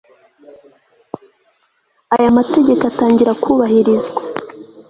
aya mategeko atangira kubahirizwa